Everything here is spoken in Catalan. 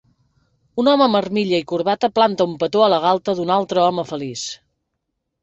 Un home amb armilla i corbata planta un petó a la galta d'un altre home feliç.